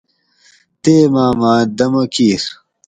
تیماۤ مہۤ دمہ کِیر